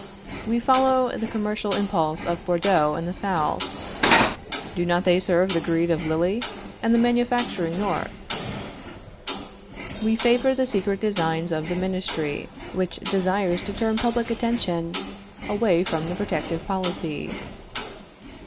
We follow the commercial impulse of Bordeaux and the South. Do not they serve the greed of Lille, and the manufacturing North? We favor the secret designs of the ministry, which desires to turn public attention away from the protective policy.